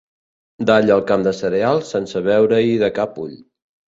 Dalla el camp de cereals sense veure-hi de cap ull.